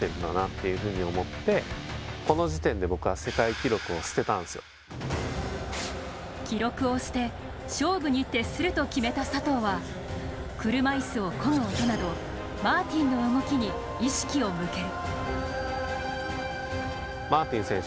記録を捨て、勝負に徹すると決めた佐藤は車いすをこぐ音などマーティンの動きに意識を向ける。